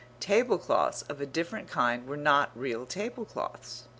Tablecloths of a different kind were not real tablecloths.